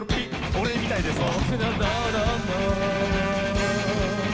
俺みたいですわ。